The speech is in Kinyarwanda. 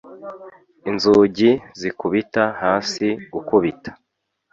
Inzugi zikubita hasi gukubita